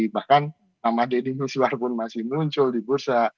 bahkan nama deddy miswar pun masih muncul di bursa